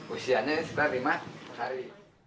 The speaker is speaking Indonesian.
usianya sudah lima kali